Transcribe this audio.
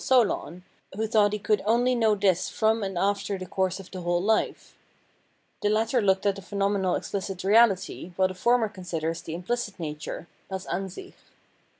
Solon, who thought he could only know this from and after the course of the whole hfe : the latter looked at the phenomenal exphcit reahty, while the former considers the imphcit nature {das Ansich).